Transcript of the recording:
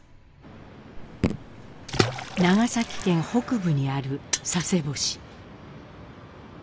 長崎県北部にある佐世保市。